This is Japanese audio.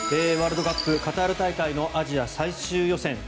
ワールドカップカタール大会のアジア最終予選。